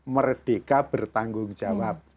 merdeka bertanggung jawab